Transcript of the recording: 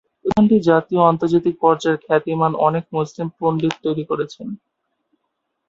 প্রতিষ্ঠানটি জাতীয় ও আন্তর্জাতিক পর্যায়ের খ্যাতিমান অনেক মুসলিম পণ্ডিত তৈরি করেছে।